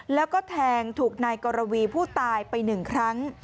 แล้วก็แทงถูกนายกรวีผู้ตายไปหนึ่งครั้ง